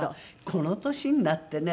この年になってね